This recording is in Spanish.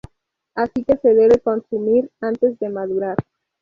Así que se debe consumir antes de madurar.